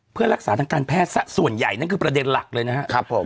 เพื่อรักษาทางการแพทย์ซะส่วนใหญ่นั่นคือประเด็นหลักเลยนะครับผม